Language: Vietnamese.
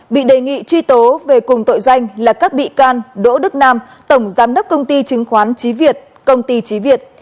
bị đề nghị truy tố về cùng tội danh là các bị can đỗ đức nam tổng giám đốc công ty chứng khoán trí việt công ty trí việt